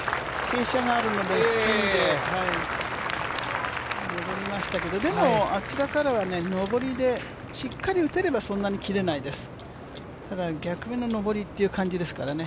傾斜があるのでスピンで戻りましたけどでも、あちらからは上りでしっかり打てれば、そんなに切れないです。